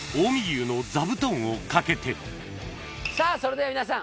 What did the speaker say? このさぁそれでは皆さん